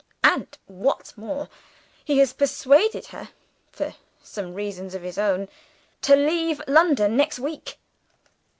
And, what's more, he has persuaded her (for some reasons of his own) to leave London next week."